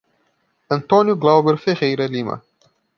Antônio Glauber Ferreira Lima